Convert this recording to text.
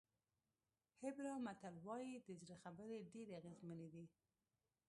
هېبرا متل وایي د زړه خبرې ډېرې اغېزمنې دي.